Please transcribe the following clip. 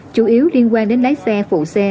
chủ yếu liên quan đến lái xe phụ xe